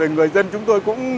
người dân chúng tôi cũng